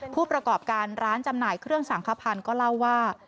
ผู้ประกอบการร้านจำหน่ายเครื่องสังขพันธ์ก็เล่าว่า